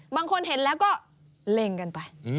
บางคนเห็นแล้วก็เล็งกันไป